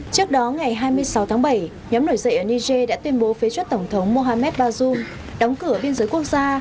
trước đó ngày hai mươi sáu tháng bảy nhóm nổi dậy ở niger đã tuyên bố phế chuất tổng thống mohamed bazoum đóng cửa biên giới quốc gia